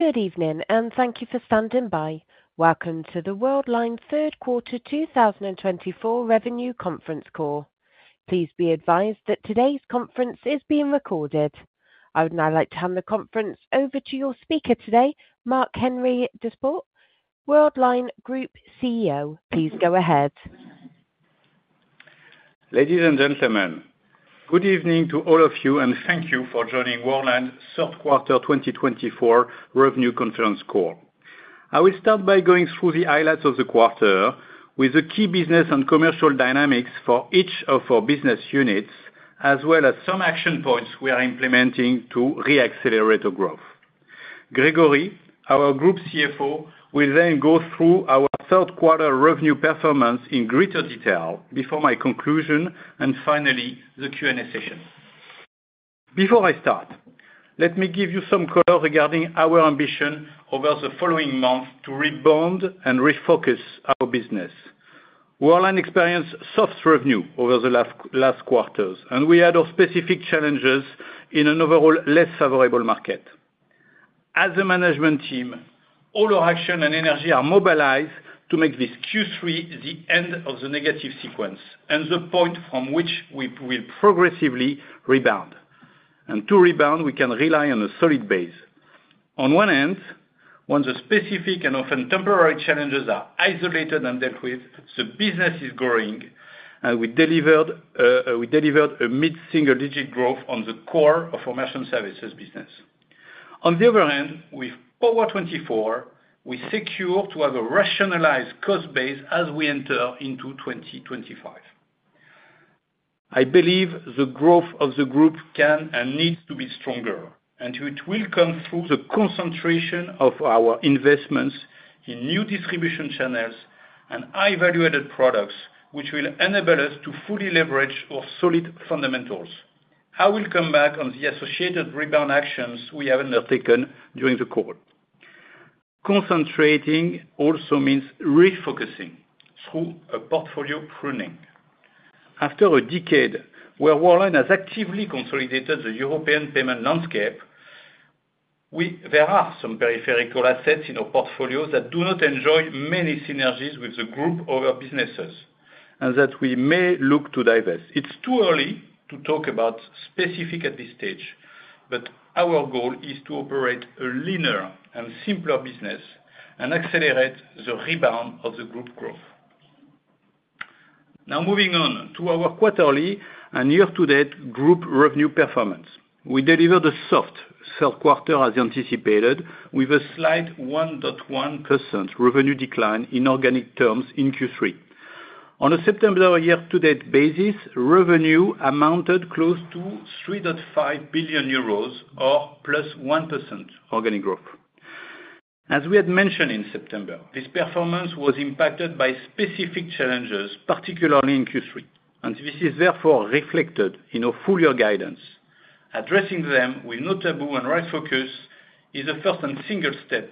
Good evening, and thank you for standing by. Welcome to the Worldline Third Quarter 2024 Revenue Conference Call. Please be advised that today's conference is being recorded. I would now like to hand the conference over to your speaker today, Marc-Henri Desportes, Worldline Group CEO. Please go ahead. Ladies and gentlemen, good evening to all of you, and thank you for joining Worldline Third Quarter 2024 Revenue Conference Call. I will start by going through the highlights of the quarter with the key business and commercial dynamics for each of our business units, as well as some action points we are implementing to re-accelerate our growth. Grégory, our Group CFO, will then go through our third quarter revenue performance in greater detail before my conclusion, and finally, the Q&A session. Before I start, let me give you some color regarding our ambition over the following months to rebound and refocus our business. Worldline experienced soft revenue over the last quarters, and we had our specific challenges in an overall less favorable market. As a management team, all our action and energy are mobilized to make this Q3 the end of the negative sequence and the point from which we will progressively rebound. To rebound, we can rely on a solid base. On one hand, when the specific and often temporary challenges are isolated and dealt with, the business is growing, and we delivered a mid-single-digit growth on the core of our merchant services business. On the other hand, with Power24, we secure to have a rationalized cost base as we enter into 2025. I believe the growth of the group can and needs to be stronger, and it will come through the concentration of our investments in new distribution channels and high-valuated products, which will enable us to fully leverage our solid fundamentals. I will come back on the associated rebound actions we have undertaken during the call. Concentrating also means refocusing through a portfolio pruning. After a decade where Worldline has actively consolidated the European payment landscape, there are some peripheral assets in our portfolios that do not enjoy many synergies with the group of our businesses and that we may look to divest. It's too early to talk about specifics at this stage, but our goal is to operate a leaner and simpler business and accelerate the rebound of the group growth. Now, moving on to our quarterly and year-to-date group revenue performance. We delivered a soft third quarter as anticipated, with a slight 1.1% revenue decline in organic terms in Q3. On a September year-to-date basis, revenue amounted close to 3.5 billion euros, or plus 1% organic growth. As we had mentioned in September, this performance was impacted by specific challenges, particularly in Q3, and this is therefore reflected in our full year guidance. Addressing them with no taboo and right focus is the first and single step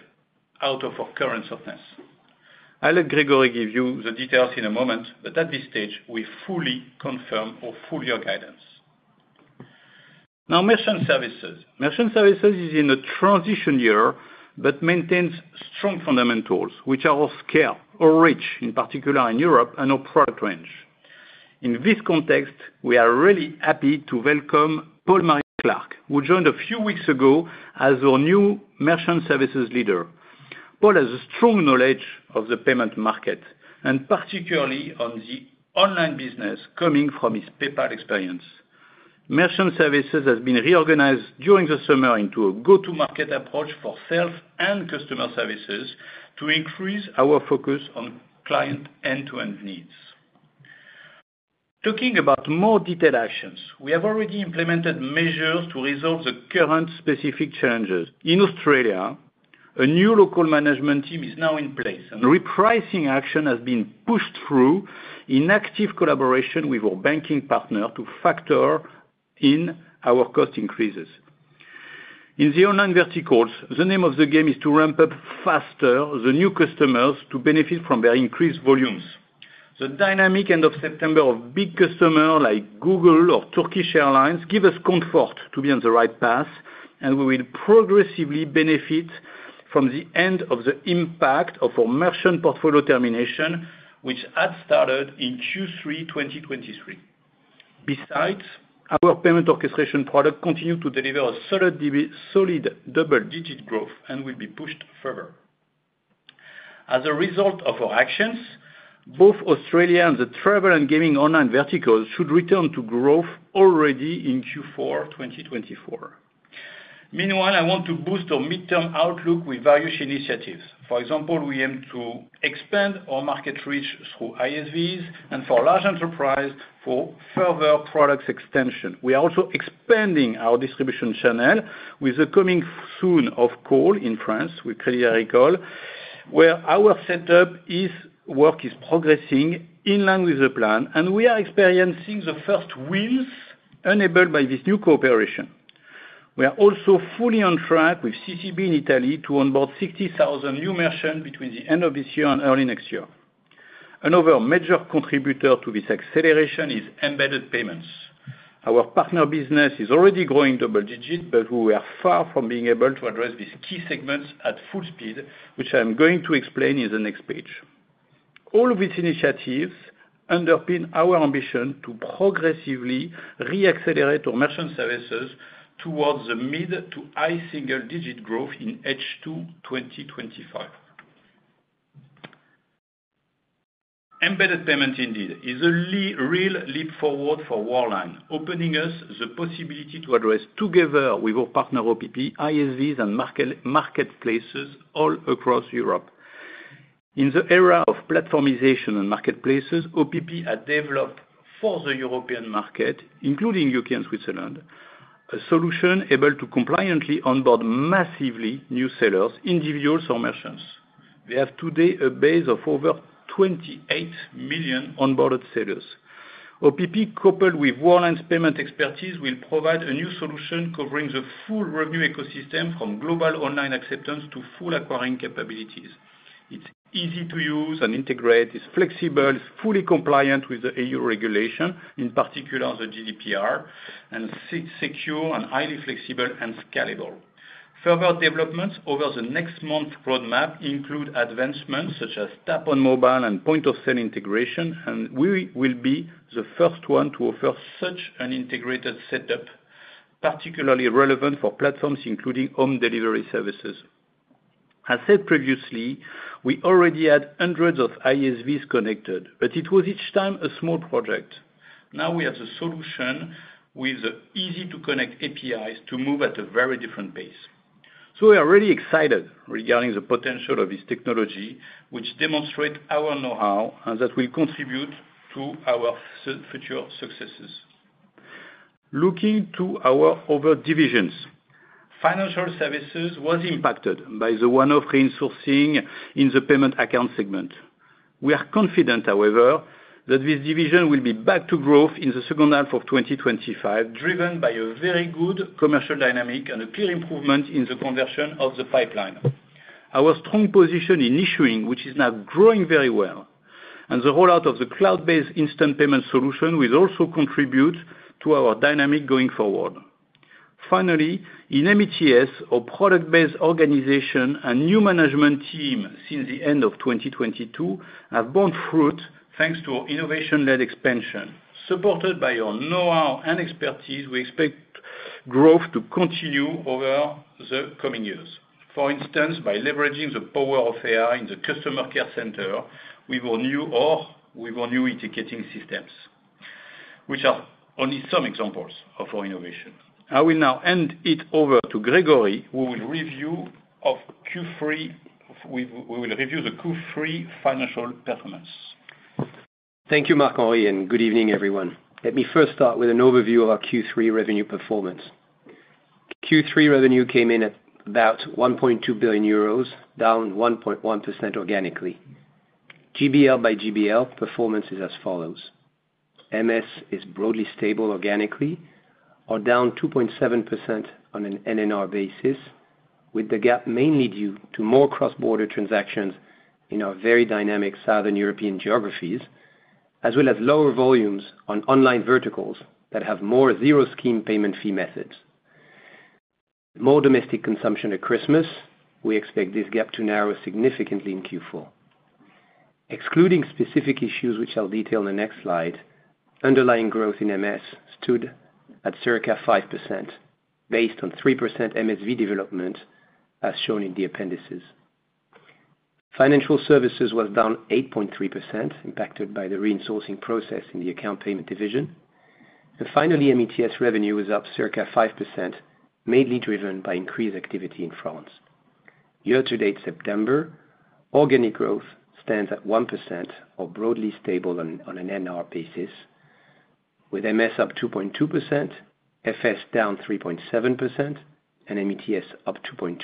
out of our current softness. I'll let Grégory give you the details in a moment, but at this stage, we fully confirm our full year guidance. Now, merchant services. Merchant services is in a transition year but maintains strong fundamentals, which are of scale or reach, in particular in Europe and our product range. In this context, we are really happy to welcome Paul Marriott-Clarke, who joined a few weeks ago as our new merchant services leader. Paul has a strong knowledge of the payment market, and particularly on the online business, coming from his PayPal experience. Merchant services has been reorganized during the summer into a go-to-market approach for sales and customer services to increase our focus on client end-to-end needs. Talking about more detailed actions, we have already implemented measures to resolve the current specific challenges. In Australia, a new local management team is now in place, and repricing action has been pushed through in active collaboration with our banking partner to factor in our cost increases. In the online verticals, the name of the game is to ramp up faster the new customers to benefit from their increased volumes. The dynamic end of September of big customers like Google or Turkish Airlines gives us comfort to be on the right path, and we will progressively benefit from the end of the impact of our merchant portfolio termination, which had started in Q3 2023. Besides, our payment orchestration product continues to deliver a solid double-digit growth and will be pushed further. As a result of our actions, both Australia and the travel and gaming online verticals should return to growth already in Q4 2024. Meanwhile, I want to boost our midterm outlook with various initiatives. For example, we aim to expand our market reach through ISVs and for large enterprises for further product extension. We are also expanding our distribution channel with the coming soon of alliance in France with Crédit Agricole, where our setup work is progressing in line with the plan, and we are experiencing the first wins enabled by this new cooperation. We are also fully on track with CCB in Italy to onboard 60,000 new merchants between the end of this year and early next year. Another major contributor to this acceleration is embedded payments. Our partner business is already growing double-digit, but we are far from being able to address these key segments at full speed, which I'm going to explain in the next page. All of these initiatives underpin our ambition to progressively re-accelerate our merchant services towards the mid to high single-digit growth in H2 2025. Embedded payments, indeed, is a real leap forward for Worldline, opening us the possibility to address together with our partner OPP, ISVs, and marketplaces all across Europe. In the era of platformization and marketplaces, OPP has developed for the European market, including U.K. and Switzerland, a solution able to compliantly onboard massively new sellers, individuals, or merchants. We have today a base of over 28 million onboarded sellers. OPP, coupled with Worldline's payment expertise, will provide a new solution covering the full revenue ecosystem from global online acceptance to full acquiring capabilities. It's easy to use and integrate. It's flexible. It's fully compliant with the EU regulation, in particular the GDPR, and secure and highly flexible and scalable. Further developments over the next month's roadmap include advancements such as Tap-on-Mobile and point-of-sale integration, and we will be the first one to offer such an integrated setup, particularly relevant for platforms including home delivery services. As said previously, we already had hundreds of ISVs connected, but it was each time a small project. Now we have the solution with easy-to-connect APIs to move at a very different pace. So we are really excited regarding the potential of this technology, which demonstrates our know-how and that will contribute to our future successes. Looking to our other divisions, Financial Services was impacted by the one-off re-insourcing in the payment account segment. We are confident, however, that this division will be back to growth in the second half of 2025, driven by a very good commercial dynamic and a clear improvement in the conversion of the pipeline. Our strong position in issuing, which is now growing very well, and the rollout of the cloud-based instant payment solution will also contribute to our dynamic going forward. Finally, in MTS, our product-based organization and new management team since the end of 2022 have borne fruit thanks to our innovation-led expansion. Supported by our know-how and expertise, we expect growth to continue over the coming years. For instance, by leveraging the power of AI in the customer care center with our new ticketing systems, which are only some examples of our innovation. I will now hand it over to Grégory, who will review Q3. We will review the Q3 financial performance. Thank you, Marc-Henri, and good evening, everyone. Let me first start with an overview of our Q3 revenue performance. Q3 revenue came in at about 1.2 billion euros, down 1.1% organically. GBL by GBL performance is as follows. MS is broadly stable organically, or down 2.7% on an NNR basis, with the gap mainly due to more cross-border transactions in our very dynamic Southern European geographies, as well as lower volumes on online verticals that have more zero-scheme payment fee methods. More domestic consumption at Christmas. We expect this gap to narrow significantly in Q4. Excluding specific issues, which I'll detail in the next slide, underlying growth in MS stood at circa 5%, based on 3% MSV development, as shown in the appendices. Financial Services was down 8.3%, impacted by the reinforcing process in the account payment division. And finally, MTS revenue was up circa 5%, mainly driven by increased activity in France. Year-to-date September, organic growth stands at 1%, or broadly stable on an NNR basis, with MS up 2.2%, FS down 3.7%, and MTS up 2.2%.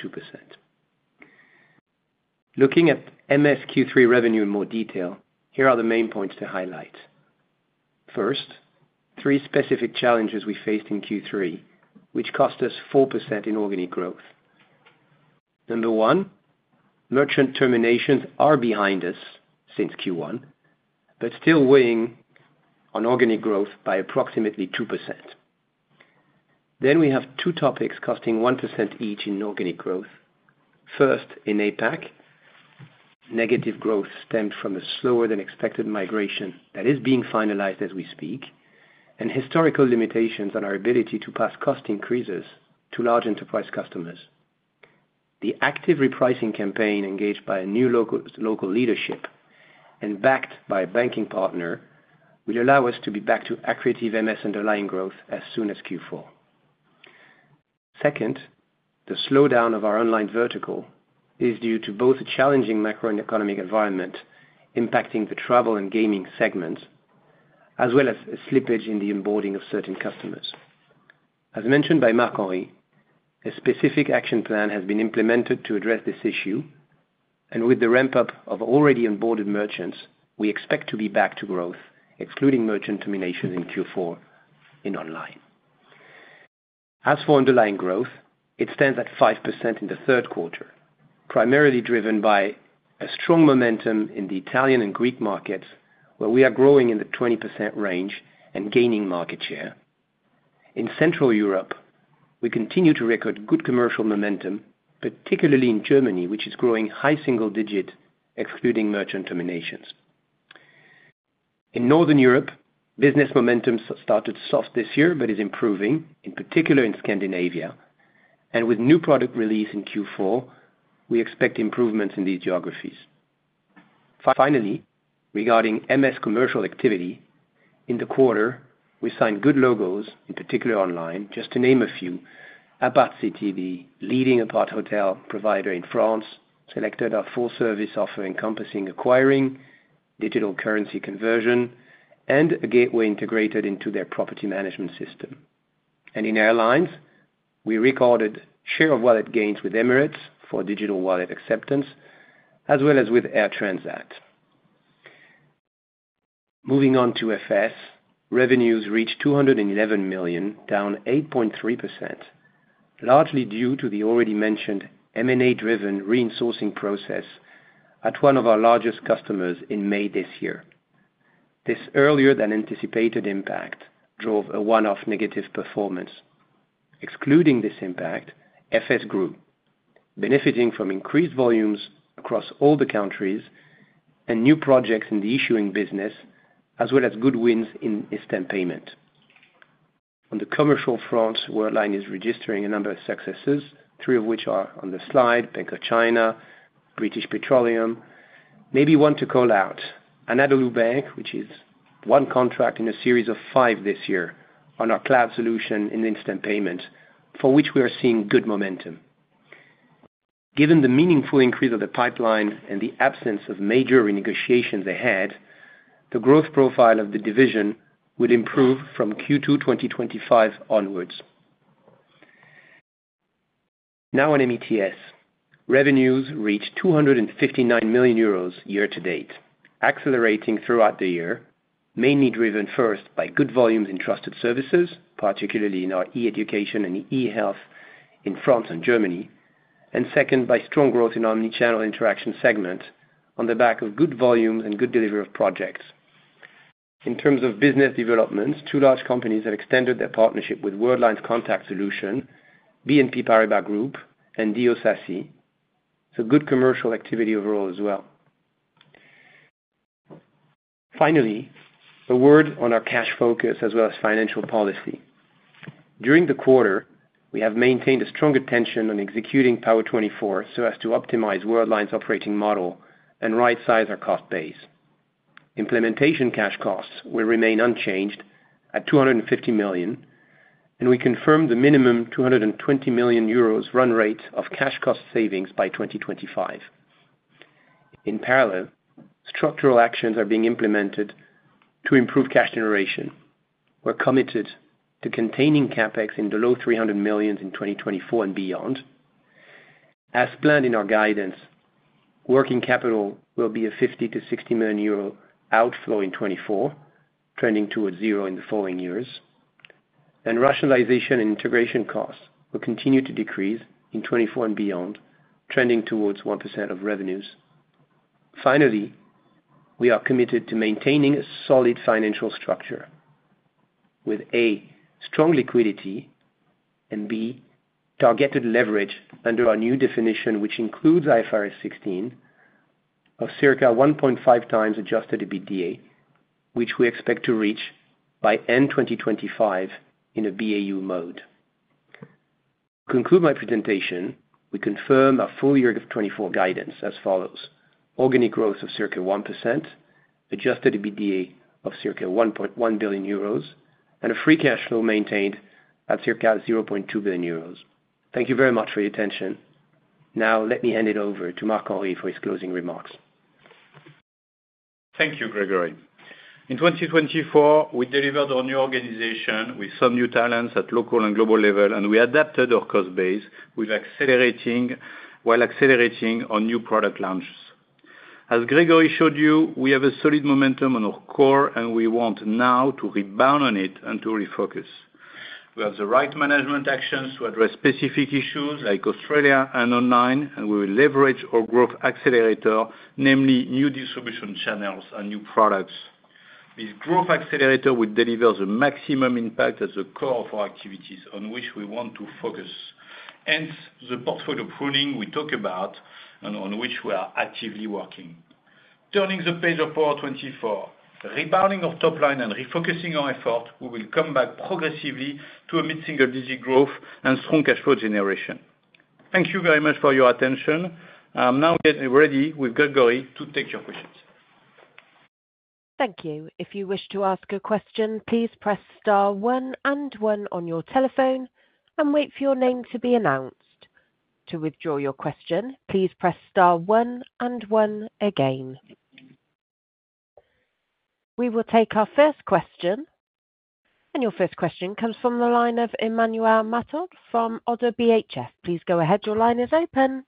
Looking at MS Q3 revenue in more detail, here are the main points to highlight. First, three specific challenges we faced in Q3, which cost us 4% in organic growth. Number one, merchant terminations are behind us since Q1, but still weighing on organic growth by approximately 2%. Then we have two topics costing 1% each in organic growth. First, in APAC, negative growth stemmed from a slower-than-expected migration that is being finalized as we speak, and historical limitations on our ability to pass cost increases to large enterprise customers. The active repricing campaign engaged by a new local leadership and backed by a banking partner will allow us to be back to accurate MS underlying growth as soon as Q4. Second, the slowdown of our online vertical is due to both a challenging macro and economic environment impacting the travel and gaming segments, as well as a slippage in the onboarding of certain customers. As mentioned by Marc-Henri, a specific action plan has been implemented to address this issue, and with the ramp-up of already onboarded merchants, we expect to be back to growth, excluding merchant terminations in Q4 in online. As for underlying growth, it stands at 5% in the third quarter, primarily driven by a strong momentum in the Italian and Greek markets, where we are growing in the 20% range and gaining market share. In Central Europe, we continue to record good commercial momentum, particularly in Germany, which is growing high single-digit, excluding merchant terminations. In Northern Europe, business momentum started soft this year but is improving, in particular in Scandinavia, and with new product release in Q4, we expect improvements in these geographies. Finally, regarding MS commercial activity, in the quarter, we signed good logos, in particular online, just to name a few. Appart'City, the leading apart hotel provider in France, selected our full-service offer encompassing acquiring, Dynamic Currency Conversion, and a gateway integrated into their property management system, and in airlines, we recorded share of wallet gains with Emirates for digital wallet acceptance, as well as with Air Transat. Moving on to FS, revenues reached 211 million, down 8.3%, largely due to the already mentioned M&A-driven reinforcing process at one of our largest customers in May this year. This earlier-than-anticipated impact drove a one-off negative performance. Excluding this impact, FS grew, benefiting from increased volumes across all the countries and new projects in the issuing business, as well as good wins in instant payment. On the commercial front, Worldline is registering a number of successes, three of which are on the slide: Bank of China, British Petroleum. Maybe one to call out: Anadolubank, which is one contract in a series of five this year on our cloud solution in instant payment, for which we are seeing good momentum. Given the meaningful increase of the pipeline and the absence of major renegotiations ahead, the growth profile of the division will improve from Q2 2025 onwards. Now on MTS, revenues reached 259 million euros year-to-date, accelerating throughout the year, mainly driven first by good volumes in trusted services, particularly in our e-education and e-health in France and Germany, and second by strong growth in our omnichannel interaction segment on the back of good volumes and good delivery of projects. In terms of business developments, two large companies have extended their partnership with Worldline's contact solution, BNP Paribas Group, and Dalkia so good commercial activity overall as well. Finally, a word on our cash focus as well as financial policy. During the quarter, we have maintained a strong attention on executing Power24 so as to optimize Worldline's operating model and right-size our cost base. Implementation cash costs will remain unchanged at 250 million, and we confirmed the minimum 220 million euros run rate of cash cost savings by 2025. In parallel, structural actions are being implemented to improve cash generation. We're committed to containing CapEx in the low 300 million in 2024 and beyond. As planned in our guidance, working capital will be a 50-60 million euro outflow in 2024, trending towards zero in the following years, and rationalization and integration costs will continue to decrease in 2024 and beyond, trending towards 1% of revenues. Finally, we are committed to maintaining a solid financial structure with, A, strong liquidity, and, B, targeted leverage under our new definition, which includes IFRS 16, of circa 1.5 times adjusted EBITDA, which we expect to reach by end 2025 in a BAU mode. To conclude my presentation, we confirm our full year of 2024 guidance as follows: organic growth of circa 1%, adjusted EBITDA of circa 1.1 billion euros, and a free cash flow maintained at circa 0.2 billion euros. Thank you very much for your attention. Now, let me hand it over to Marc-Henri for his closing remarks. Thank you, Grégory. In 2024, we delivered our new organization with some new talents at local and global level, and we adapted our cost base while accelerating our new product launches. As Grégory showed you, we have a solid momentum on our core, and we want now to rebound on it and to refocus. We have the right management actions to address specific issues like Australia and online, and we will leverage our growth accelerator, namely new distribution channels and new products. This growth accelerator will deliver the maximum impact at the core of our activities on which we want to focus. Hence, the portfolio pruning we talk about and on which we are actively working. Turning the page of Power24, rebounding our top line and refocusing our effort, we will come back progressively to a mid-single-digit growth and strong cash flow generation. Thank you very much for your attention. Now we're ready with Grégory to take your questions. Thank you. If you wish to ask a question, please press star one and one on your telephone and wait for your name to be announced. To withdraw your question, please press star one and one again. We will take our first question. And your first question comes from the line of Emmanuel Matot from Oddo BHF. Please go ahead. Your line is open.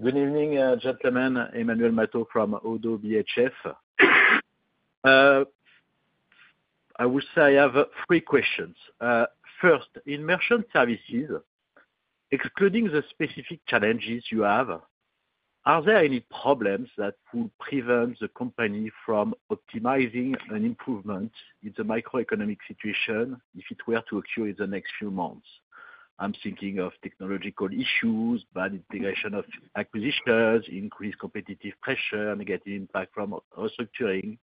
Good evening, gentlemen. Emmanuel Matot from Oddo BHF. I will say I have three questions. First, in merchant services, excluding the specific challenges you have, are there any problems that will prevent the company from optimizing an improvement in the microeconomic situation if it were to occur in the next few months? I'm thinking of technological issues, bad integration of acquisitions, increased competitive pressure, negative impact from restructuring.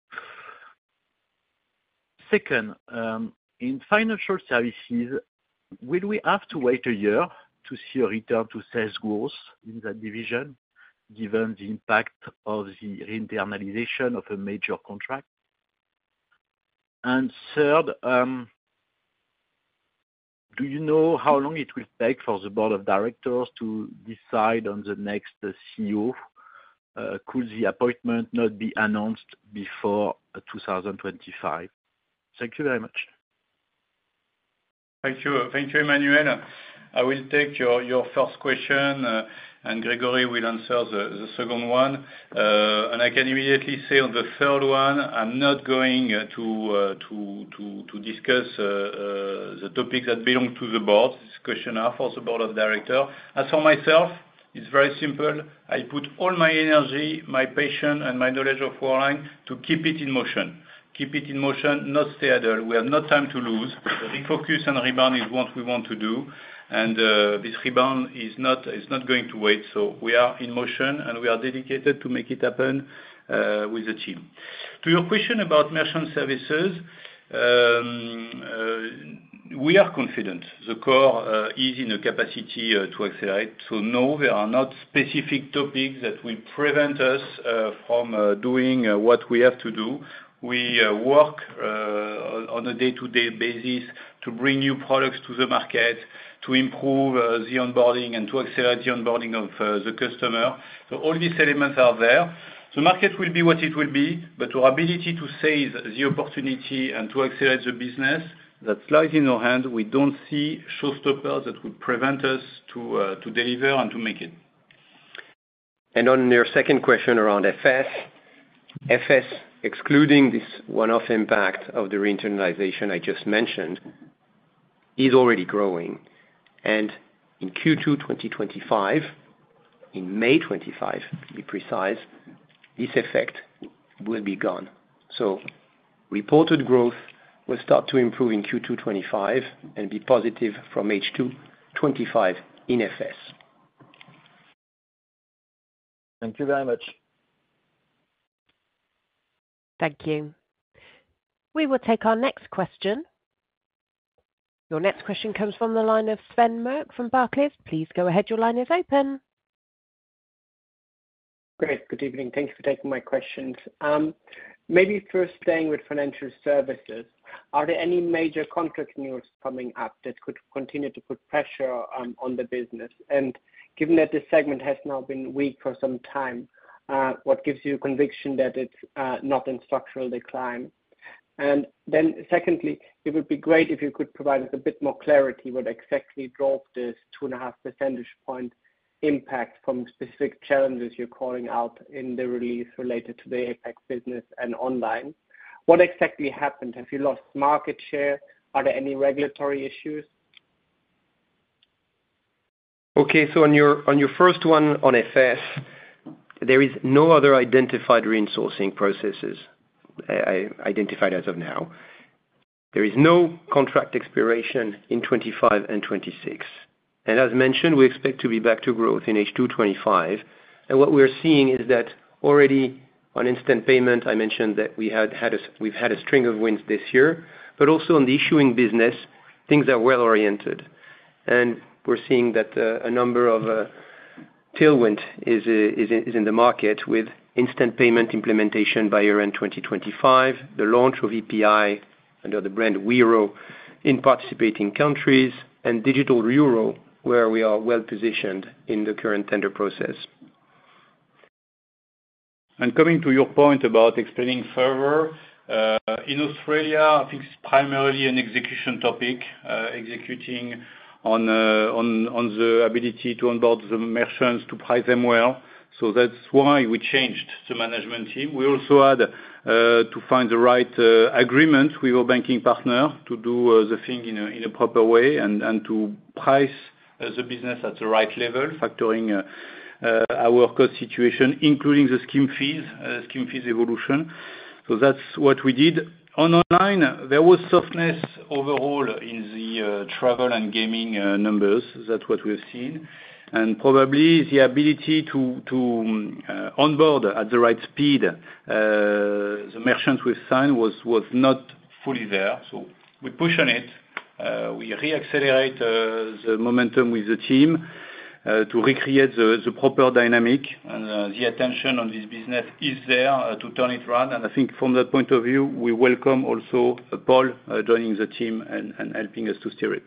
Second, in financial services, will we have to wait a year to see a return to sales growth in that division, given the impact of the re-internalization of a major contract? And third, do you know how long it will take for the board of directors to decide on the next CEO? Could the appointment not be announced before 2025? Thank you very much. Thank you. Thank you, Emmanuel. I will take your first question, and Grégory will answer the second one. And I can immediately say on the third one, I'm not going to discuss the topics that belong to the board, this questionnaire for the board of directors. As for myself, it's very simple. I put all my energy, my passion, and my knowledge of Worldline to keep it in motion. Keep it in motion, not stay idle. We have no time to lose. The refocus and rebound is what we want to do, and this rebound is not going to wait. So we are in motion, and we are dedicated to make it happen with the team. To your question about merchant services, we are confident the core is in a capacity to accelerate. No, there are no specific topics that will prevent us from doing what we have to do. We work on a day-to-day basis to bring new products to the market, to improve the onboarding, and to accelerate the onboarding of the customer. All these elements are there. The market will be what it will be, but our ability to save the opportunity and to accelerate the business that lies in our hand, we don't see showstoppers that will prevent us to deliver and to make it. On your second question around FS, FS, excluding this one-off impact of the re-internalization I just mentioned, is already growing. In Q2 2025, in May 2025, to be precise, this effect will be gone. Reported growth will start to improve in Q2 2025 and be positive from H2 2025 in FS. Thank you very much. Thank you. We will take our next question. Your next question comes from the line of Sven Merkt from Barclays. Please go ahead. Your line is open. Great. Good evening. Thank you for taking my questions. Maybe first staying with Financial Services, are there any major conflicting rules coming up that could continue to put pressure on the business? And given that this segment has now been weak for some time, what gives you a conviction that it's not in structural decline? And then secondly, it would be great if you could provide us a bit more clarity on what exactly drove this 2.5 percentage point impact from specific challenges you're calling out in the release related to the APAC business and online. What exactly happened? Have you lost market share? Are there any regulatory issues? Okay. So on your first one on FS, there is no other identified reinforcing processes as of now. There is no contract expiration in 2025 and 2026. And as mentioned, we expect to be back to growth in H2 2025. And what we are seeing is that already on instant payment, I mentioned that we've had a string of wins this year. But also on the issuing business, things are well-oriented. And we're seeing that a number of tailwinds are in the market with instant payment implementation by year-end 2025, the launch of EPI under the brand Wero in participating countries, and digital euro, where we are well-positioned in the current tender process. And coming to your point about explaining further, in Australia, I think it's primarily an execution topic, executing on the ability to onboard the merchants to price them well. So that's why we changed the management team. We also had to find the right agreement with our banking partner to do the thing in a proper way and to price the business at the right level, factoring our cost situation, including the scheme fees, scheme fees evolution. So that's what we did. On online, there was softness overall in the travel and gaming numbers. That's what we have seen. And probably the ability to onboard at the right speed, the merchants we've signed was not fully there. So we push on it. We re-accelerate the momentum with the team to recreate the proper dynamic. The attention on this business is there to turn it around. And I think from that point of view, we welcome also Paul joining the team and helping us to steer it.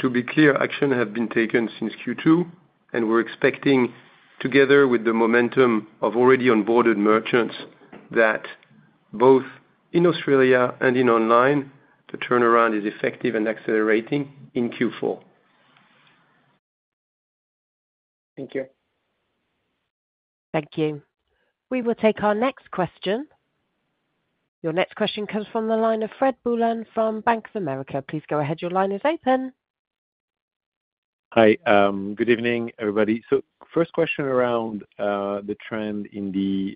To be clear, action has been taken since Q2, and we're expecting, together with the momentum of already onboarded merchants, that both in Australia and in online, the turnaround is effective and accelerating in Q4. Thank you. Thank you. We will take our next question. Your next question comes from the line of Frederic Boulan from Bank of America. Please go ahead. Your line is open. Hi. Good evening, everybody. So first question around the trend in the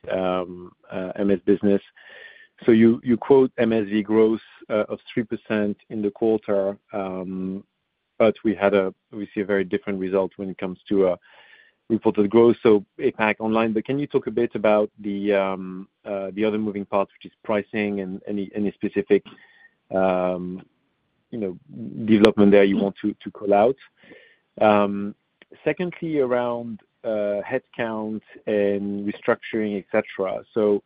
MS business. So you quote MSV growth of 3% in the quarter, but we see a very different result when it comes to reported growth. So APAC online. But can you talk a bit about the other moving part, which is pricing and any specific development there you want to call out? Secondly, around headcount and restructuring, etc. So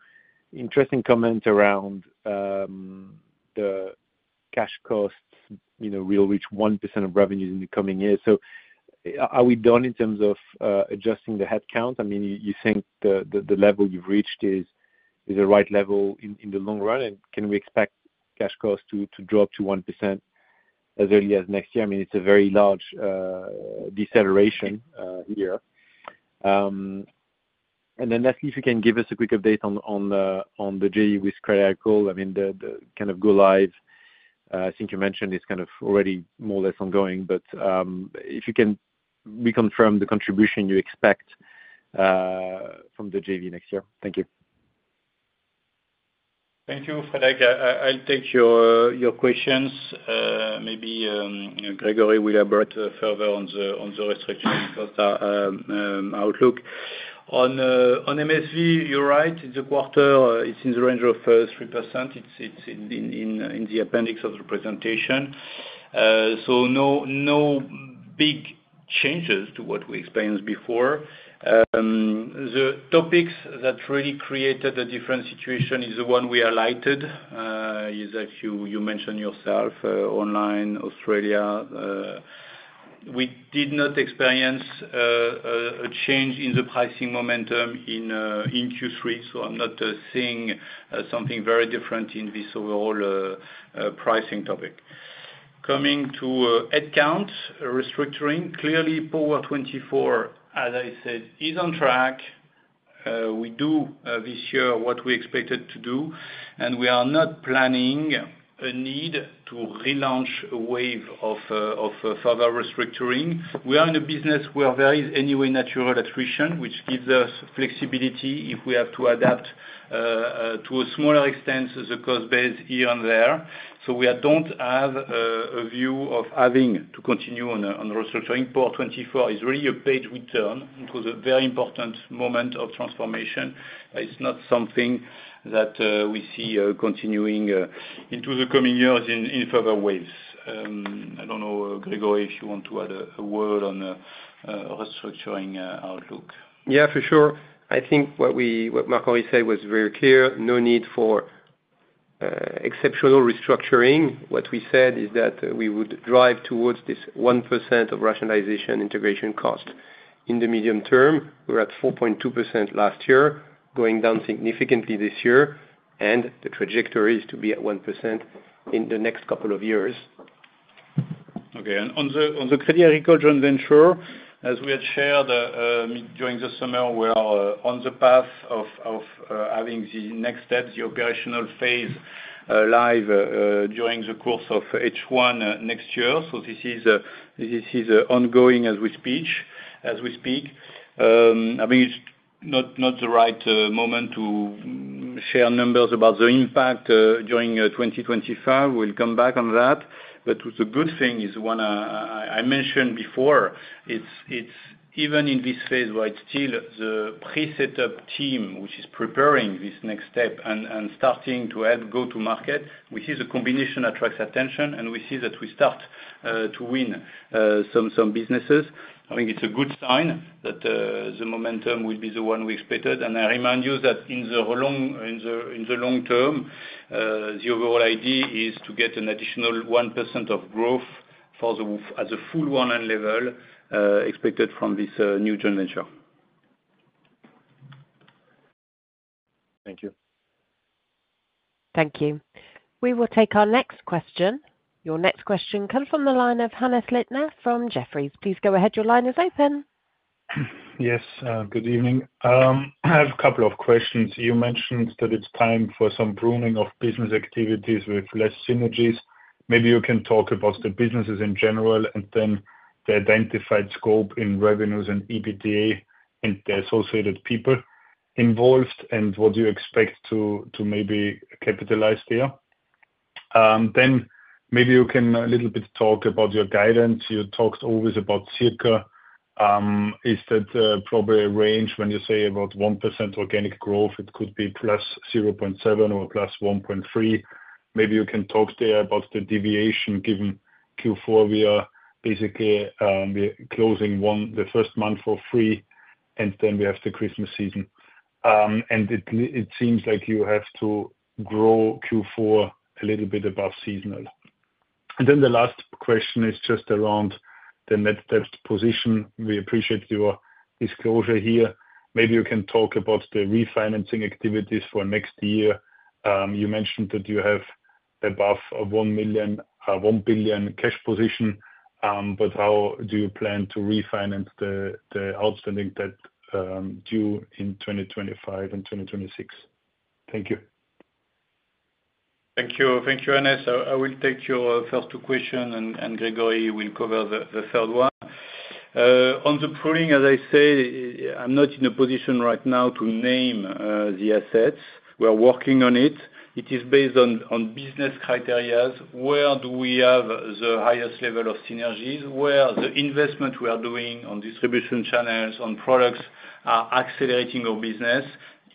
interesting comment around the cash costs will reach 1% of revenues in the coming years. So are we done in terms of adjusting the headcount? I mean, you think the level you've reached is the right level in the long run? And can we expect cash costs to drop to 1% as early as next year? I mean, it's a very large deceleration here. And then lastly, if you can give us a quick update on the JV with Crédit Agricole. I mean, the kind of go-live, I think you mentioned, is kind of already more or less ongoing. But if you can reconfirm the contribution you expect from the JV next year. Thank you. Thank you, Frederic. I'll take your questions. Maybe Grégory will elaborate further on the revenue outlook. On MSV, you're right. The quarter is in the range of 3%. It's in the appendix of the presentation. So no big changes to what we experienced before. The topics that really created a different situation is the one we highlighted, as you mentioned yourself, online, Australia. We did not experience a change in the pricing momentum in Q3. So I'm not seeing something very different in this overall pricing topic. Coming to headcount restructuring, clearly, Power24, as I said, is on track. We do this year what we expected to do, and we are not planning a need to relaunch a wave of further restructuring. We are in a business where there is anyway natural attrition, which gives us flexibility if we have to adapt to a smaller extent the cost base here and there. So we don't have a view of having to continue on the restructuring. Power24 is really a paid return into the very important moment of transformation. It's not something that we see continuing into the coming years in further waves. I don't know, Grégory, if you want to add a word on the restructuring outlook. Yeah, for sure. I think what Marc-Henri said was very clear. No need for exceptional restructuring. What we said is that we would drive towards this 1% of rationalization integration cost in the medium term. We were at 4.2% last year, going down significantly this year. And the trajectory is to be at 1% in the next couple of years. Okay. And on the Crédit Agricole joint venture, as we had shared during the summer, we are on the path of having the next steps, the operational phase live during the course of H1 next year. So this is ongoing as we speak. I mean, it's not the right moment to share numbers about the impact during 2025. We'll come back on that. But the good thing is one I mentioned before. Even in this phase where it's still the pre-setup team, which is preparing this next step and starting to help go to market, we see the combination attracts attention, and we see that we start to win some businesses. I think it's a good sign that the momentum will be the one we expected. I remind you that in the long term, the overall idea is to get an additional 1% of growth as a full run-rate level expected from this new joint venture. Thank you. Thank you. We will take our next question. Your next question comes from the line of Hannes Leitner from Jefferies. Please go ahead. Your line is open. Yes. Good evening. I have a couple of questions. You mentioned that it's time for some pruning of business activities with less synergies. Maybe you can talk about the businesses in general and then the identified scope in revenues and EBITDA and the associated people involved and what you expect to maybe capitalize there. Then maybe you can a little bit talk about your guidance. You talked always about circa. Is that probably a range when you say about 1% organic growth? It could be plus 0.7% or plus 1.3%. Maybe you can talk there about the deviation given Q4. We are basically closing the first month for free, and then we have the Christmas season. And it seems like you have to grow Q4 a little bit above seasonal. And then the last question is just around the net debt position. We appreciate your disclosure here. Maybe you can talk about the refinancing activities for next year. You mentioned that you have above 1 billion cash position, but how do you plan to refinance the outstanding debt due in 2025 and 2026? Thank you. Thank you. Thank you, Hannes. I will take your first two questions, and Grégory will cover the third one. On the pruning, as I said, I'm not in a position right now to name the assets. We're working on it. It is based on business criteria. Where do we have the highest level of synergies? Where the investment we are doing on distribution channels, on products, are accelerating our business?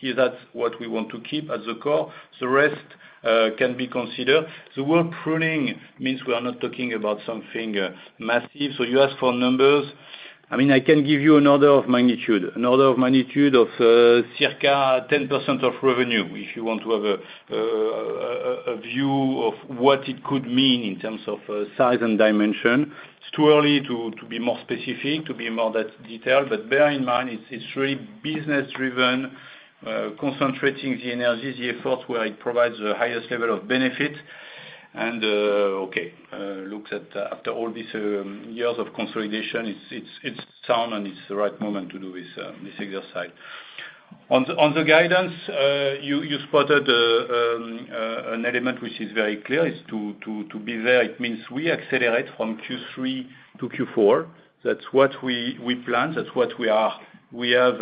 Is that what we want to keep as the core? The rest can be considered. The word pruning means we are not talking about something massive. So you ask for numbers. I mean, I can give you an order of magnitude, an order of magnitude of circa 10% of revenue if you want to have a view of what it could mean in terms of size and dimension. It's too early to be more specific, to be more detailed. But bear in mind, it's really business-driven, concentrating the energies, the efforts where it provides the highest level of benefit. And okay, look, it's after all these years of consolidation, it's sound and it's the right moment to do this exercise. On the guidance, you spotted an element which is very clear. It's to be there. It means we accelerate from Q3 to Q4. That's what we planned. That's what we are. We have,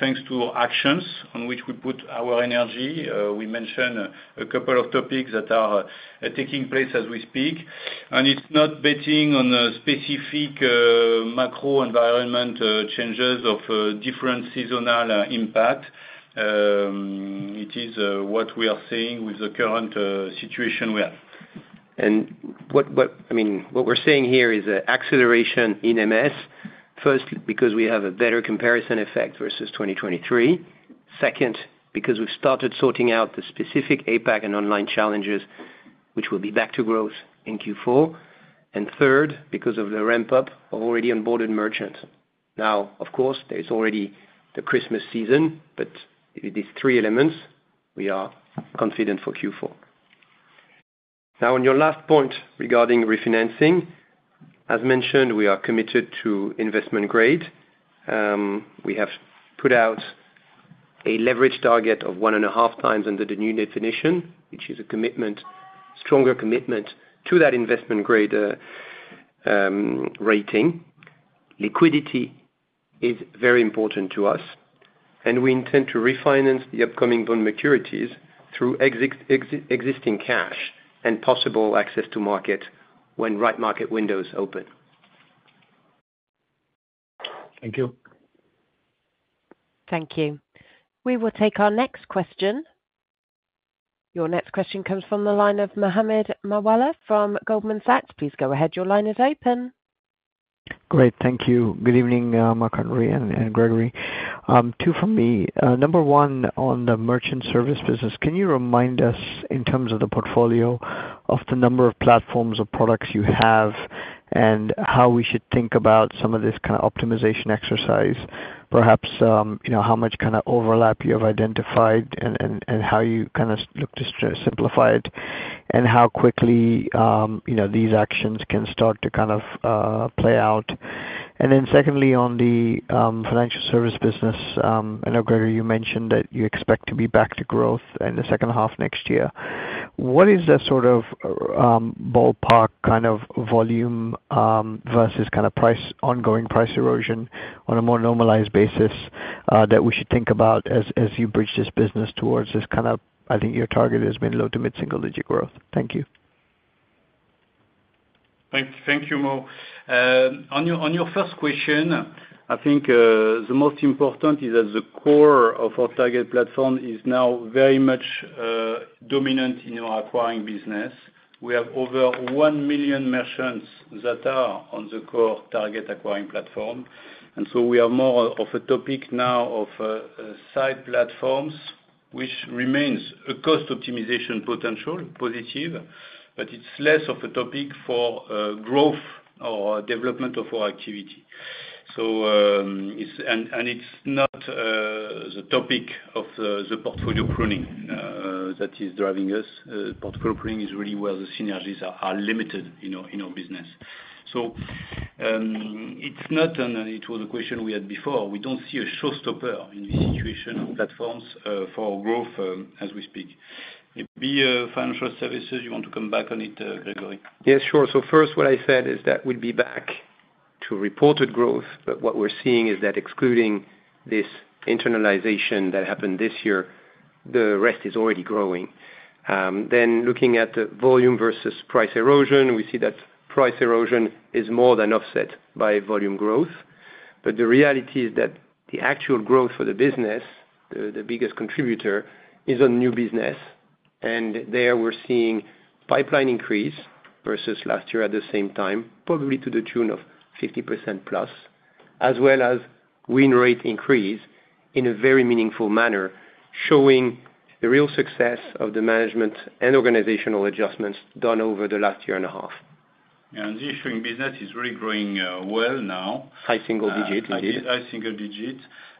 thanks to actions on which we put our energy, we mentioned a couple of topics that are taking place as we speak. And it's not betting on specific macro environment changes of different seasonal impact. It is what we are seeing with the current situation we have. I mean, what we're seeing here is an acceleration in MS, first, because we have a better comparison effect versus 2023. Second, because we've started sorting out the specific APAC and online challenges, which will be back to growth in Q4. Third, because of the ramp-up of already onboarded merchants. Now, of course, there's already the Christmas season, but with these three elements, we are confident for Q4. Now, on your last point regarding refinancing, as mentioned, we are committed to investment grade. We have put out a leverage target of one and a half times under the new definition, which is a stronger commitment to that investment grade rating. Liquidity is very important to us, and we intend to refinance the upcoming bond maturities through existing cash and possible access to market when right market windows open. Thank you. Thank you. We will take our next question. Your next question comes from the line of Mohammed Moawalla from Goldman Sachs. Please go ahead. Your line is open. Great. Thank you. Good evening, Marc-Henri and Grégory. Two from me. Number one, on the merchant service business, can you remind us in terms of the portfolio of the number of platforms or products you have and how we should think about some of this kind of optimization exercise? Perhaps how much kind of overlap you have identified and how you kind of look to simplify it and how quickly these actions can start to kind of play out. And then secondly, on the financial service business, I know, Grégory, you mentioned that you expect to be back to growth in the second half next year. What is the sort of ballpark kind of volume versus kind of ongoing price erosion on a more normalized basis that we should think about as you bridge this business towards this kind of, I think your target has been low to mid-single-digit growth? Thank you. Thank you, Mo. On your first question, I think the most important is that the core of our target platform is now very much dominant in our acquiring business. We have over 1 million merchants that are on the core target acquiring platform. And so we have more of a topic now of side platforms, which remains a cost optimization potential, positive, but it's less of a topic for growth or development of our activity. And it's not the topic of the portfolio pruning that is driving us. Portfolio pruning is really where the synergies are limited in our business. So it's not. It was a question we had before. We don't see a showstopper in this situation of platforms for growth as we speak. Maybe financial services, you want to come back on it, Grégory? Yes, sure. So first, what I said is that we'd be back to reported growth, but what we're seeing is that excluding this internalization that happened this year, the rest is already growing. Then looking at volume versus price erosion, we see that price erosion is more than offset by volume growth. But the reality is that the actual growth for the business, the biggest contributor, is on new business. And there we're seeing pipeline increase versus last year at the same time, probably to the tune of 50% plus, as well as win rate increase in a very meaningful manner, showing the real success of the management and organizational adjustments done over the last year and a half. The issuing business is really growing well now. High single-digit, indeed. High single digit.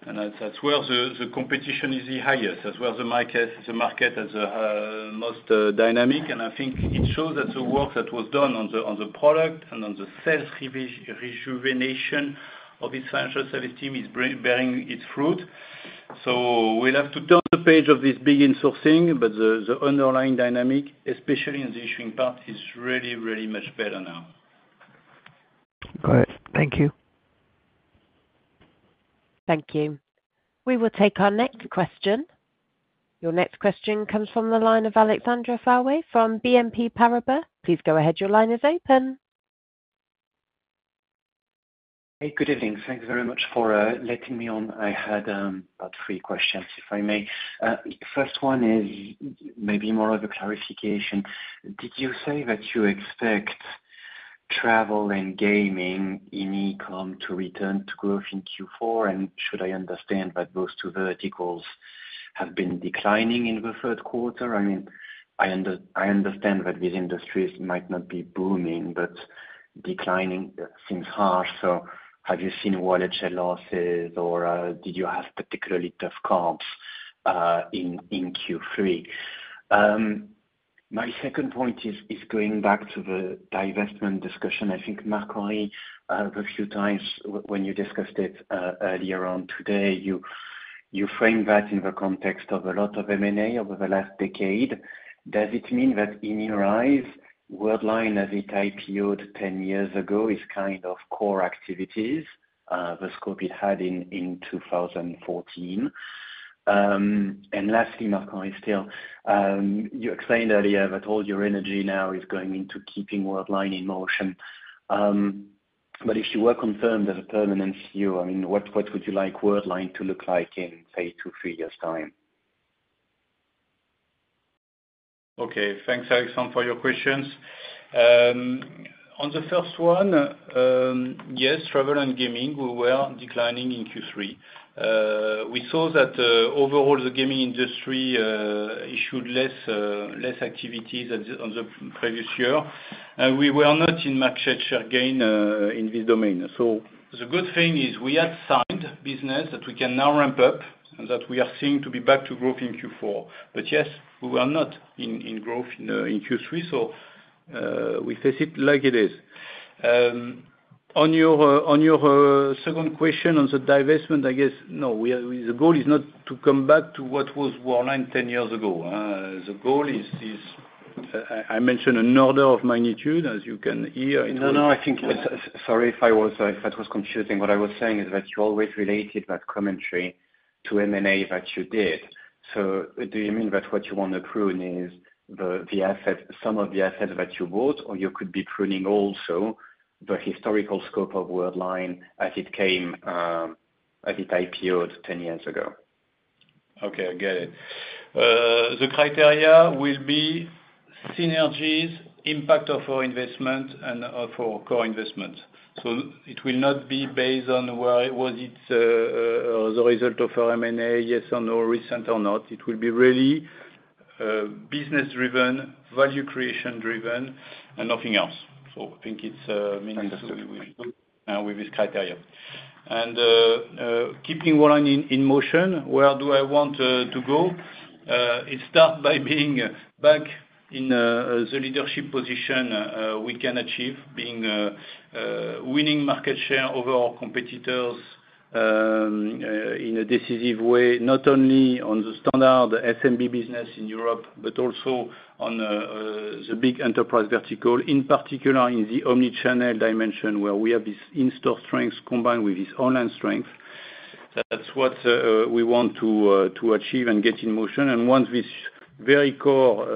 And that's where the competition is the highest. That's where the market has the most dynamic. And I think it shows that the work that was done on the product and on the sales rejuvenation of its Financial Services team is bearing its fruit. So we'll have to turn the page of this big insourcing, but the underlying dynamic, especially in the issuing part, is really, really much better now. All right. Thank you. Thank you. We will take our next question. Your next question comes from the line of Alexandre Faure from BNP Paribas. Please go ahead. Your line is open. Hey, good evening. Thank you very much for letting me on. I had about three questions, if I may. The first one is maybe more of a clarification. Did you say that you expect travel and gaming in e-comm to return to growth in Q4? And should I understand that those two verticals have been declining in the third quarter? I mean, I understand that these industries might not be booming, but declining seems harsh. So have you seen wallet share losses, or did you have particularly tough comps in Q3? My second point is going back to the divestment discussion. I think, Marc-Henri, the few times when you discussed it earlier on today, you framed that in the context of a lot of M&A over the last decade. Does it mean that in your eyes, Worldline, as it IPO'd 10 years ago, is kind of core activities the scope it had in 2014? And lastly, Marc-Henri, still, you explained earlier that all your energy now is going into keeping Worldline in motion. But if you were confirmed as a permanent CEO, I mean, what would you like Worldline to look like in, say, two, three years' time? Okay. Thanks, Alexandre, for your questions. On the first one, yes, travel and gaming were declining in Q3. We saw that overall the gaming industry issued less activities than the previous year. And we were not in market share gain in this domain. So the good thing is we had signed business that we can now ramp up and that we are seeing to be back to growth in Q4. But yes, we were not in growth in Q3, so we face it like it is. On your second question on the divestment, I guess, no, the goal is not to come back to what was Worldline 10 years ago. The goal is, I mentioned, an order of magnitude, as you can hear. No, no. I think. Sorry if that was confusing. What I was saying is that you always related that commentary to M&A that you did. So do you mean that what you want to prune is some of the assets that you bought, or you could be pruning also the historical scope of Worldline as it IPO'd 10 years ago? Okay, I get it. The criteria will be synergies, impact of our investment, and of our core investment. So it will not be based on was it the result of our M&A, yes or no, recent or not. It will be really business-driven, value creation-driven, and nothing else. So I think it's meaningful with this criteria. And keeping Worldline in motion, where do I want to go? It starts by being back in the leadership position we can achieve, being winning market share over our competitors in a decisive way, not only on the standard SMB business in Europe, but also on the big enterprise vertical, in particular in the omnichannel dimension where we have this in-store strength combined with this online strength. That's what we want to achieve and get in motion. Once this very core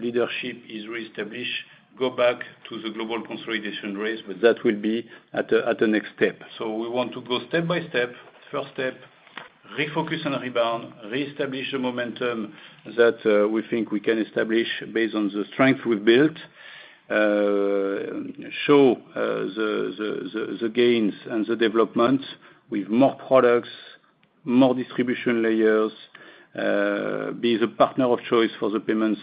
leadership is reestablished, go back to the global consolidation race, but that will be at the next step. We want to go step by step, first step, refocus and rebound, reestablish the momentum that we think we can establish based on the strength we've built, show the gains and the developments with more products, more distribution layers, be the partner of choice for the payments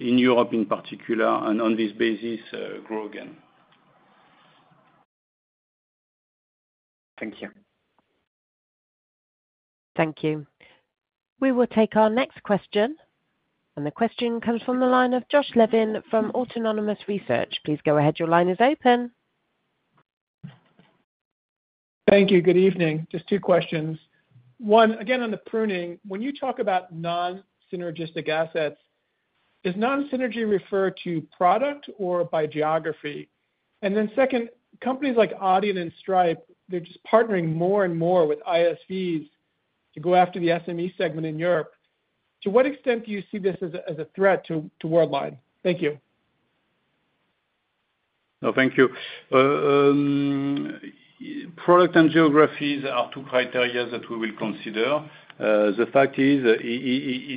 in Europe in particular, and on this basis, grow again. Thank you. Thank you. We will take our next question. The question comes from the line of Josh Levin from Autonomous Research. Please go ahead. Your line is open. Thank you. Good evening. Just two questions. One, again, on the pruning, when you talk about non-synergistic assets, is non-synergy referred to product or by geography? And then second, companies like Adyen and Stripe, they're just partnering more and more with ISVs to go after the SME segment in Europe. To what extent do you see this as a threat to Worldline? Thank you. No, thank you. Product and geographies are two criteria that we will consider. The fact is, is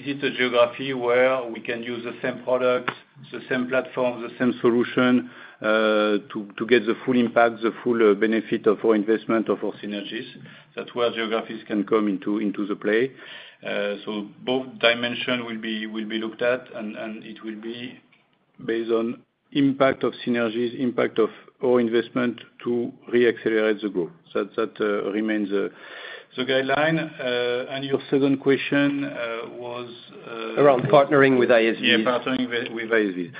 it a geography where we can use the same products, the same platforms, the same solution to get the full impact, the full benefit of our investment, of our synergies? That's where geographies can come into the play. So both dimensions will be looked at, and it will be based on impact of synergies, impact of our investment to re-accelerate the growth. That remains the guideline. And your second question was. Around partnering with ISVs. Yeah, partnering with ISVs.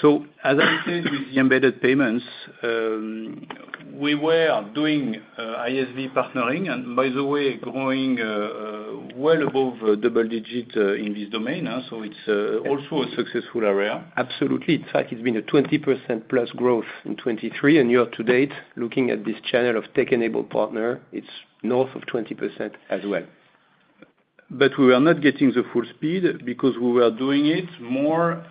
So as I said with the embedded payments, we were doing ISV partnering, and by the way, growing well above double-digit in this domain. So it's also a successful area. Absolutely. In fact, it's been a 20% plus growth in 2023. And year to date, looking at this channel of tech-enabled partner, it's north of 20% as well. But we were not getting the full speed because we were doing it more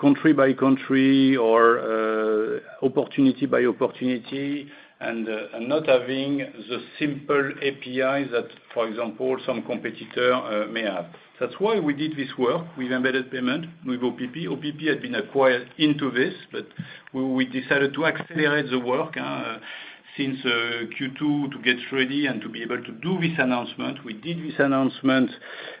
country by country or opportunity by opportunity and not having the simple APIs that, for example, some competitor may have. That's why we did this work with embedded payment with OPP. OPP had been acquired into this, but we decided to accelerate the work since Q2 to get ready and to be able to do this announcement. We did this announcement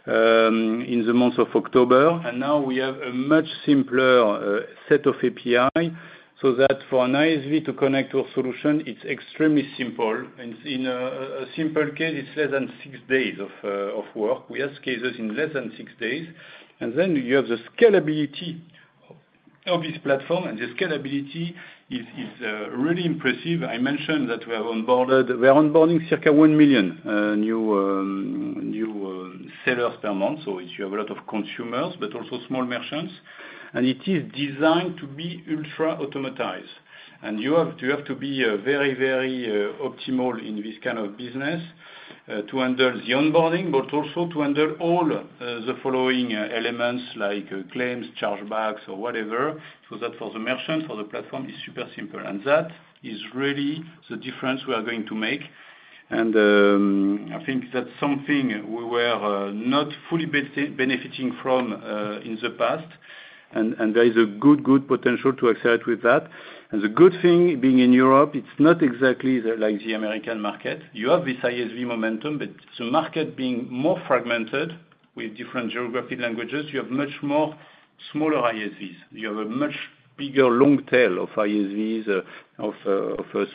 in the month of October, and now we have a much simpler set of API so that for an ISV to connect to a solution, it's extremely simple. In a simple case, it's less than six days of work. We have cases in less than six days. And then you have the scalability of this platform, and the scalability is really impressive. I mentioned that we are onboarding circa one million new sellers per month. You have a lot of consumers, but also small merchants, and it is designed to be ultra-automated. You have to be very, very optimal in this kind of business to handle the onboarding, but also to handle all the following elements like claims, chargebacks, or whatever, so that for the merchant, for the platform, is super simple. That is really the difference we are going to make, and I think that's something we were not fully benefiting from in the past. There is a good, good potential to accelerate with that. The good thing, being in Europe, it's not exactly like the American market. You have this ISV momentum, but the market being more fragmented with different geographic languages, you have much more smaller ISVs. You have a much bigger long tail of ISVs, of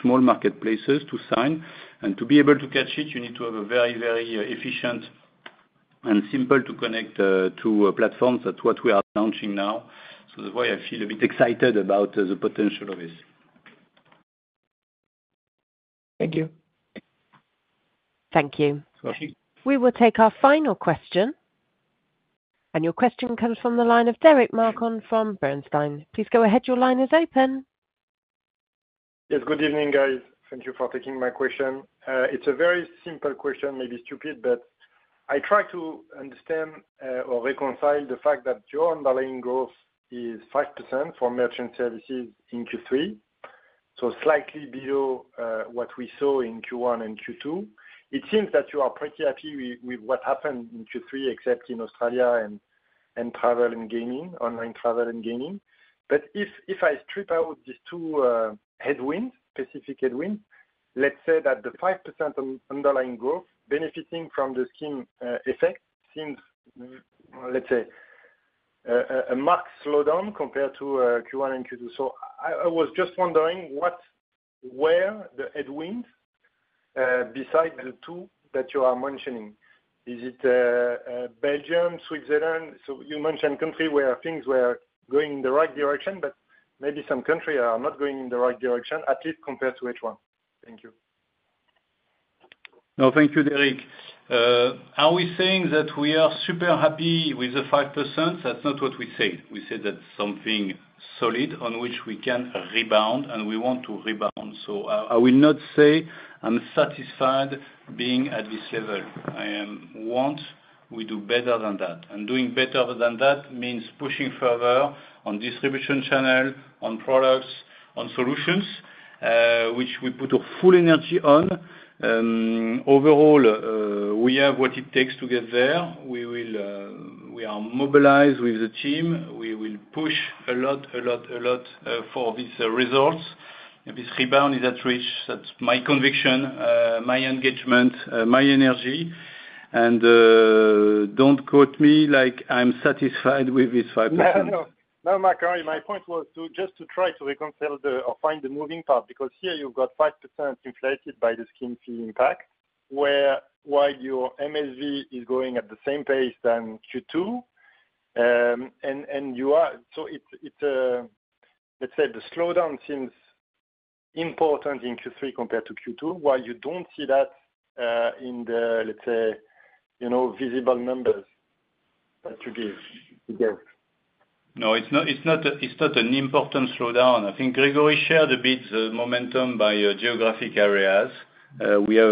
small marketplaces to sign. And to be able to catch it, you need to have a very, very efficient and simple to connect to platforms. That's what we are launching now. So that's why I feel a bit excited about the potential of it. Thank you. Thank you. We will take our final question. Your question comes from the line of Gareth Morrison from Bernstein. Please go ahead. Your line is open. Yes, good evening, guys. Thank you for taking my question. It's a very simple question, maybe stupid, but I try to understand or reconcile the fact that your underlying growth is 5% for merchant services in Q3, so slightly below what we saw in Q1 and Q2. It seems that you are pretty happy with what happened in Q3, except in Australia and travel and gaming, online travel and gaming. But if I strip out these two headwinds, specific headwinds, let's say that the 5% underlying growth benefiting from the scheme effect seems, let's say, a marked slowdown compared to Q1 and Q2. So I was just wondering where the headwinds besides the two that you are mentioning? Is it Belgium, Switzerland? So you mentioned countries where things were going in the right direction, but maybe some countries are not going in the right direction, at least compared to H1. Thank you. No, thank you, Derek. Are we saying that we are super happy with the 5%? That's not what we say. We say that's something solid on which we can rebound, and we want to rebound. So I will not say I'm satisfied being at this level. I want we do better than that. And doing better than that means pushing further on distribution channel, on products, on solutions, which we put our full energy on. Overall, we have what it takes to get there. We are mobilized with the team. We will push a lot, a lot, a lot for these results. This rebound is at reach. That's my conviction, my engagement, my energy. And don't quote me like I'm satisfied with this 5%. No, no, no. No, Marc-Henri, my point was just to try to reconcile or find the moving part because here you've got 5% inflated by the scheme fee impact while your MSV is going at the same pace than Q2. And so it's, let's say, the slowdown seems important in Q3 compared to Q2, while you don't see that in the, let's say, visible numbers that you give. No, it's not an important slowdown. I think Grégory shared a bit the momentum by geographic areas. We have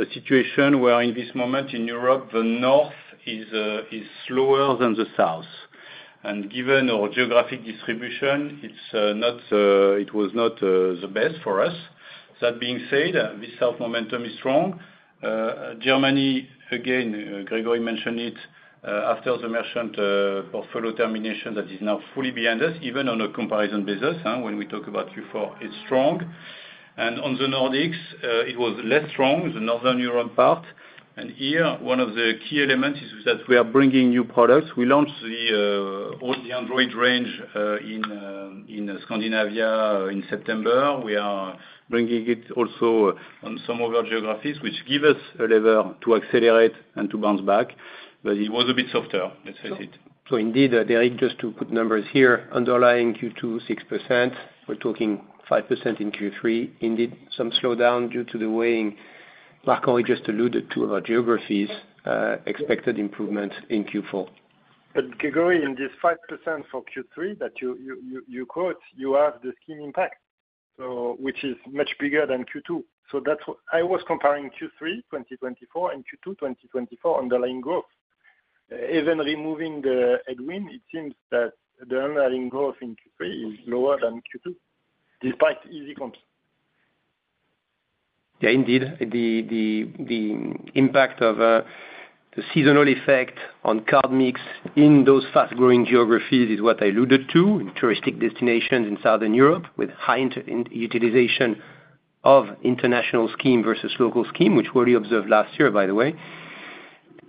a situation where in this moment in Europe, the north is slower than the south. And given our geographic distribution, it was not the best for us. That being said, this south momentum is strong. Germany, again, Grégory mentioned it after the merchant portfolio termination that is now fully behind us, even on a comparison basis. When we talk about Q4, it's strong. And on the Nordics, it was less strong, the northern Europe part. And here, one of the key elements is that we are bringing new products. We launched the Android range in Scandinavia in September. We are bringing it also on some of our geographies, which gives us a lever to accelerate and to bounce back. But it was a bit softer, let's face it. So indeed, Derek, just to put numbers here, underlying Q2 6%. We're talking 5% in Q3. Indeed, some slowdown due to the weighting. Marc-Henri just alluded to our geographies, expected improvement in Q4. But Gregory, in this 5% for Q3 that you quote, you have the scheme impact, which is much bigger than Q2. So I was comparing Q3 2024 and Q2 2024 underlying growth. Even removing the headwind, it seems that the underlying growth in Q3 is lower than Q2, despite easy comps. Yeah, indeed. The impact of the seasonal effect on card mix in those fast-growing geographies is what I alluded to in touristic destinations in Southern Europe with high utilization of international scheme versus local scheme, which we already observed last year, by the way.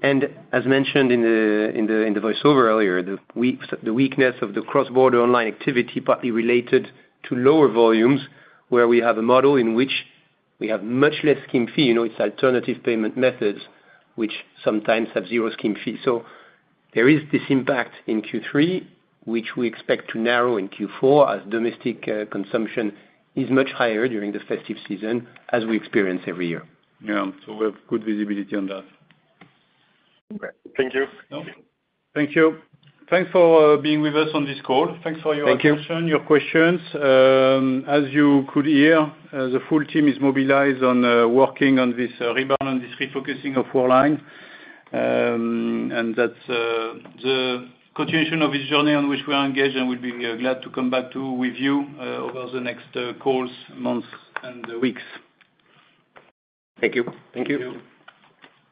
And as mentioned in the voiceover earlier, the weakness of the cross-border online activity partly related to lower volumes where we have a model in which we have much less scheme fee. It's alternative payment methods which sometimes have zero scheme fee. So there is this impact in Q3, which we expect to narrow in Q4 as domestic consumption is much higher during the festive season, as we experience every year. Yeah, so we have good visibility on that. Okay. Thank you. Thank you. Thanks for being with us on this call. Thanks for your attention, your questions. As you could hear, the full team is mobilized on working on this rebound and this refocusing of Worldline, and that's the continuation of this journey on which we are engaged and will be glad to come back to with you over the next calls, months, and weeks. Thank you. Thank you.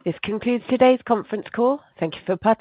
This concludes today's conference call. Thank you for.